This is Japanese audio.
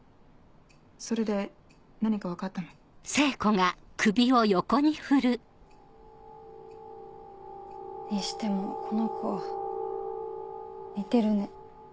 それで何か分かったの？にしてもこの子似てるね。